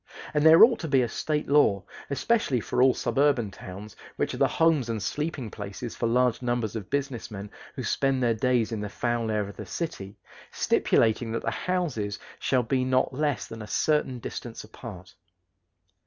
And there ought to be a State law, especially for all suburban towns, which are the homes and sleeping places for large numbers of business men who spend their days in the foul air of the city, stipulating that the houses shall be not less than a certain distance apart.